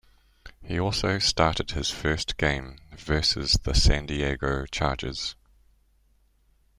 He also started his first game versus the San Diego Chargers.